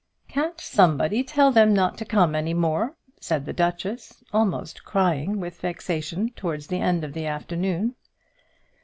"Can't somebody tell them not to come any more?" said the duchess, almost crying with vexation towards the end of the afternoon.